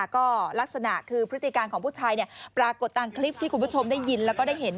ก็ลักษณะคือพฤติการของผู้ชายปรากฏตามคลิปที่คุณผู้ชมได้ยินแล้วก็ได้เห็น